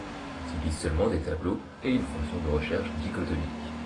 Il utilise seulement des tableaux et une fonction de recherche dichotomique.